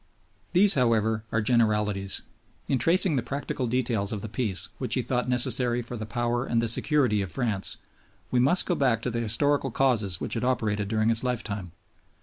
These, however, are generalities. In tracing the practical details of the Peace which he thought necessary for the power and the security of France, we must go back to the historical causes which had operated during his lifetime.